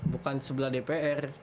bukan sebelah dpr